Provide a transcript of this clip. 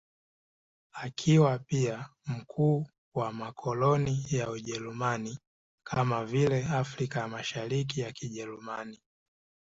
Akiwa pia mkuu wa makoloni ya Ujerumani, kama vile Afrika ya Mashariki ya Kijerumani.